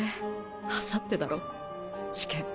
あさってだろ試験。